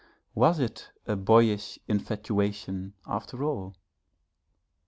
Was it a boyish infatuation after all?